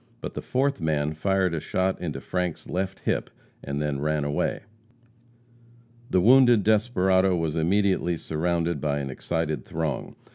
But the fourth man fired a shot into Frank's left hip, and then ran away. The wounded desperado was immediately surrounded by an excited throng.